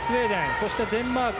そしてデンマーク。